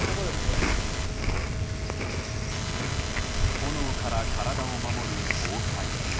炎から体を守る防火衣。